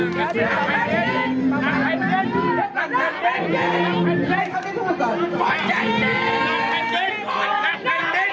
นักแผ่นดินเปิดเพลงให้เค้าฟังมาเค้าจะรู้เหมือนกันแผ่นดินมันไปยังไง